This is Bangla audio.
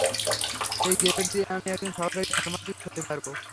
এই গ্রেড দিয়ে আমি একজন সহকারী ফার্মাসিস্ট হতে পারব।